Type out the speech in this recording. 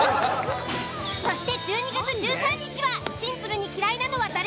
そして１２月１３日はシンプルに嫌いなのは誰？